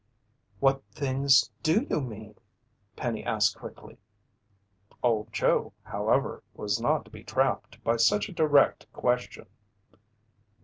"What things do you mean?" Penny asked quickly. Old Joe however, was not to be trapped by such a direct question.